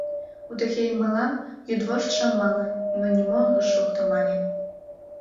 Удэхей мылам, йӱдвошт шым мале, но нимо ыш шокто, мане.